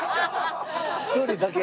１人だけ？